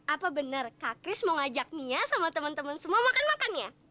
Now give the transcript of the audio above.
apa bener kak kris mau ngajak mia sama temen temen semua makan makannya